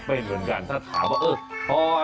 พ่อนางมนโท